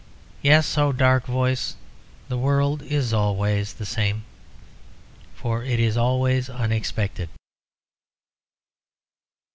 Yes, O dark voice, the world is always the same, for it is always unexpected."